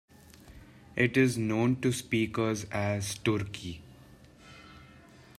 It is known to speakers as Turki.